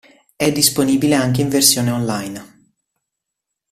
È disponibile anche in versione on line.